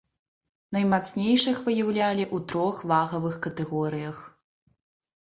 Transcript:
Наймацнейшых выяўлялі ў трох вагавых катэгорыях.